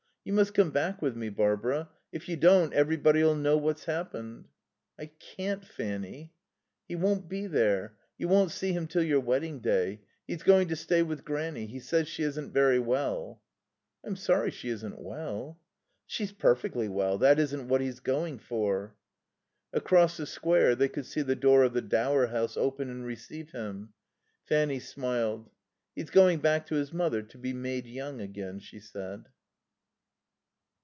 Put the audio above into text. "You must come back with me, Barbara. If you don't everybody'll know what's happened." "I can't, Fanny." "He won't be there. You won't see him till your wedding day. He's going to stay with Granny. He says she isn't very well." "I'm sorry she isn't well." "She's perfectly well. That isn't what he's going for." Across the Square they could see the door of the Dower House open and receive him. Fanny smiled. "He's going back to his mother to be made young again," she said.